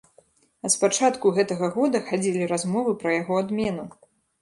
А з пачатку гэтага года хадзілі размовы пра яго адмену.